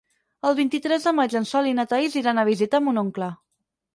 El vint-i-tres de maig en Sol i na Thaís iran a visitar mon oncle.